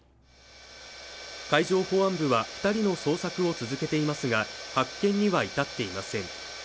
海上保安部は二人の捜索を続けていますが発見には至っていません